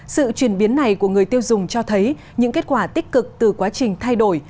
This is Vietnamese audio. sự chuyển biến này của người tiêu dùng cho thấy những kết quả tích cực từ quá trình thay đổi